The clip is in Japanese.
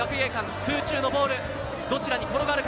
空中のボール、どちらに転がるか？